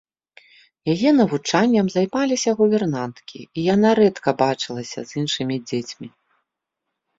Яе навучаннем займаліся гувернанткі, і яна рэдка бачылася з іншымі дзецьмі.